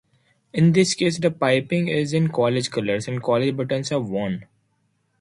In this case, the piping is in college colours, and college buttons are worn.